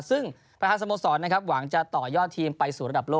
ซึ่งประธานสโมสรนะครับหวังจะต่อยอดทีมไปสู่ระดับโลก